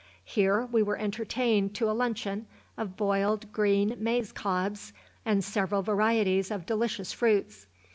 Here we were entertained to a luncheon of boiled green maize cobs, and several varieties of delicious fruits.